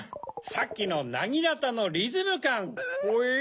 さっきのなぎなたのリズムかん。